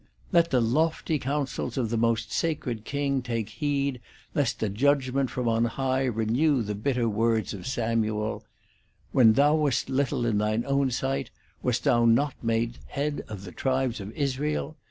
Let the lofty counsels of the most sacred king take heed lest the judgement from on high renew the bitter words of Samuel :' When thou wast iittle in thine own sight, wast thou not made the head of the tribes of Israel